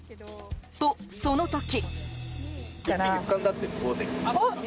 と、その時。